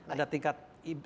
ada tingkat tidak